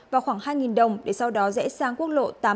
vào khoảng hai đồng để sau đó rẽ sang quốc lộ tám mươi